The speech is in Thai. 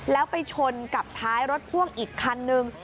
แล้วไปชนกับท้ายรถพ่วงอีกคันนึง